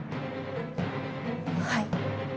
はい。